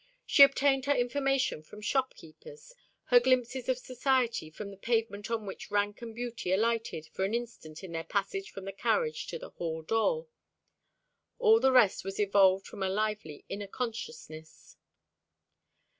She obtained her information from shopkeepers, her glimpses of society from the pavement on which rank and beauty alighted for an instant in their passage from the carriage to the hall door. All the rest was evolved from a lively inner consciousness.